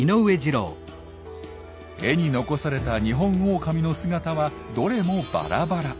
絵に残されたニホンオオカミの姿はどれもバラバラ。